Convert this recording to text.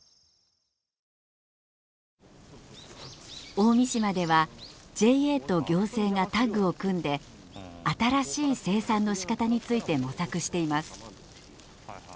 大三島ではＪＡと行政がタッグを組んで新しい生産のしかたについて模索しています。